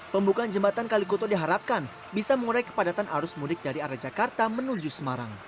pembukaan jembatan kalikuto diharapkan bisa mengurai kepadatan arus mudik dari arah jakarta menuju semarang